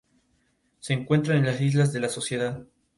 Realizó su maestría de derecho comparado en la Universidad de París.